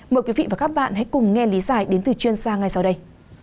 mời quý vị và các bạn hãy cùng nghe lý giải đến từ chuyên gia ngay sau đây